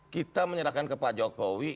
kita menyerahkan ke pak jokowi